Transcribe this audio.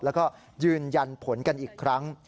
แล้วก็ยืนยันผลกันอีกครั้ง